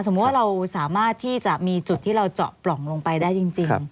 ว่าเราสามารถที่จะมีจุดที่เราเจาะปล่องลงไปได้จริง